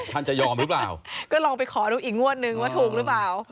จะยอมหรือเปล่าก็ลองไปขอดูอีกงวดนึงว่าถูกหรือเปล่า